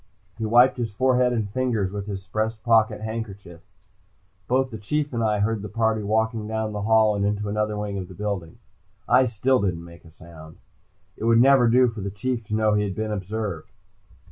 He wiped his forehead and fingers with his breast pocket handkerchief. Both the Chief and I heard the party walking down the hall and into another wing of the building. I still didn't make a sound. It would never do for the Chief to know he had been observed.